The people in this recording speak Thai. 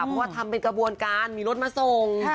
เพราะว่าทำเป็นกระบวนการมีรถมาส่ง